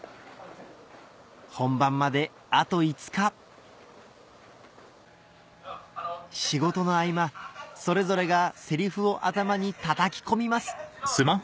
本番まであと５日仕事の合間それぞれがセリフを頭にたたき込みます